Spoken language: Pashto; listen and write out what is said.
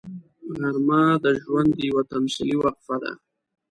غرمه د ژوند یوه تمثیلي وقفه ده